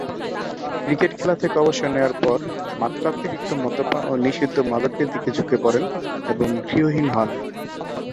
Cricket খেলা থেকে অবসর নেয়ার পর মাত্রাতিরিক্ত মদ্যপান ও নিষিদ্ধ মাদকের দিকে ঝুঁকে পড়েন এবং গৃহহীন হন।